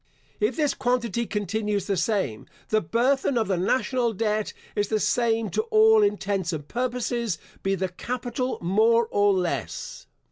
If this quantity continues the same, the burthen of the national debt is the same to all intents and purposes, be the capital more or less.